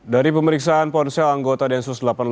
dari pemeriksaan ponsel anggota densus delapan puluh delapan